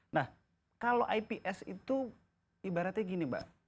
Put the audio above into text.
nah kalau ips itu ibaratnya gini mbak